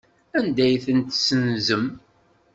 Anda ay ten-tessenzem?